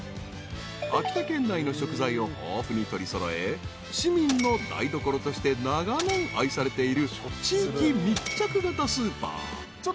［秋田県内の食材を豊富に取り揃え市民の台所として長年愛されている地域密着型スーパー］